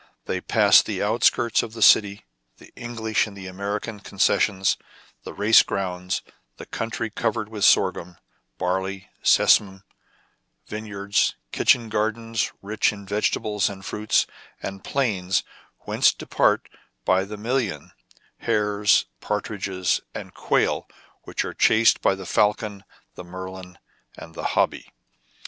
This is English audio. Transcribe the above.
They passed the outskirts of the city, the English and American concessions, the race grounds, the country covered with sorghum, barley, sesamum, vineyards, kitchen gardens, rich in vegetables and fruits ; and plains whence de part, by the million, hares, partridges, and quail, which are chased by the falcon, the merlin, and the hobby.